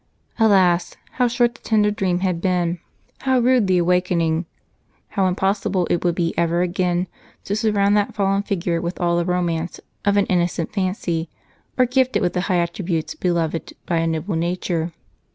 Alas, how short the tender dream had been, how rude the awakening! How impossible it would be ever again to surround that fallen figure with all the romance of an innocent fancy or gift it with the high attributes beloved by a noble nature!